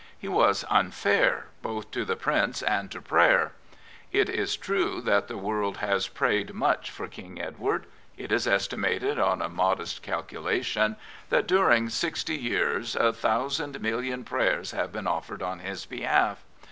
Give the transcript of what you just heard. He was unfair both to the Prince and to prayer. It is true that the world has prayed much for King Edward. It is estimated on a modest calculation that during sixty years a thousand million prayers have been offered on his behalf.